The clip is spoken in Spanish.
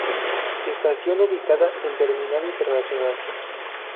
Estación ubicada en terminal internacional.